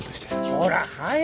ほらはよ！